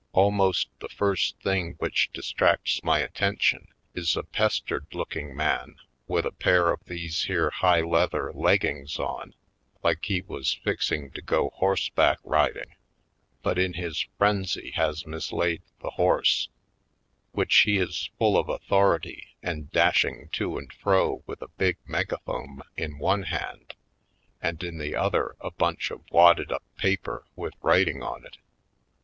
Almost the first thing which distracts my attention is a pestered looking man with a pair of these here high leather leggings on, like he was fixing to go horse back riding but in his frenzy has mislaid the horse; which he is full of authority and dashing to and fro with a big megaphome in one hand and in the other a bunch of wadded up paper with writing on it.